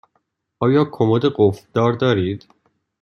آیا کمد قفل دار دارید؟